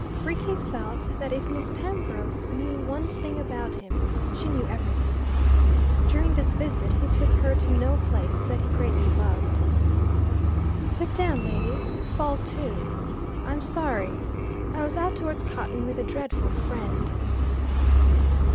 Rickie felt that if Miss Pembroke knew one thing about him, she knew everything. During this visit he took her to no place that he greatly loved. "Sit down, ladies. Fall to. I'm sorry. I was out towards Coton with a dreadful friend."